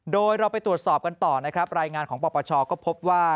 โดยเราไปตรวจสอบกันต่อนะครับรายงานของปปชก็พบว่า